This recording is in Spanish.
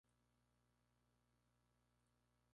Anida entre pajas o pastos altos, siempre muy cerca del suelo.